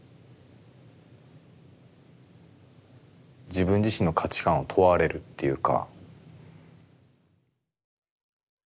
自分自身の価値観を問われるというか。